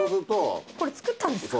これ作ったんですか。